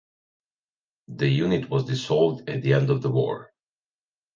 The unit was dissolved at the end of the war.